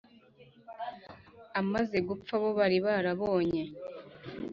amaze gupfa bo bari barabonye